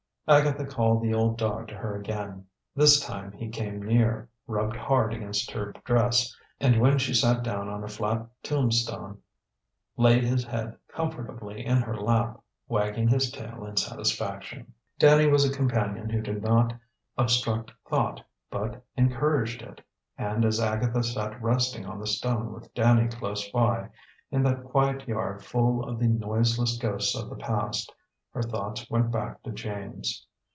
Agatha called the old dog to her again. This time he came near, rubbed hard against her dress, and, when she sat down on a flat tombstone, laid his head comfortably in her lap, wagging his tail in satisfaction. Danny was a companion who did not obstruct thought, but encouraged it; and as Agatha sat resting on the stone with Danny close by, in that quiet yard full of the noiseless ghosts of the past, her thoughts went back to James.